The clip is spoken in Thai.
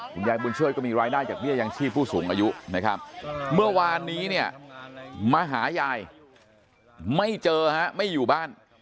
คุณยายบุญช่วยก็มีรายได้จากเบี้ยยังชีพผู้สูงอายุนะครับเมื่อวานนี้เนี่ยมาหายายไม่เจอฮะไม่อยู่บ้าน